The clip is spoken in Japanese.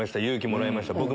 「勇気もらいました」。